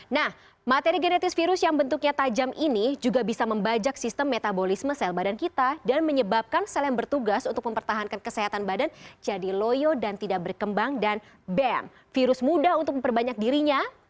nah materi genetis virus yang bentuknya tajam ini juga bisa membajak sistem metabolisme sel badan kita dan menyebabkan sel yang bertugas untuk mempertahankan kesehatan badan jadi loyo dan tidak berkembang dan bem virus mudah untuk memperbanyak dirinya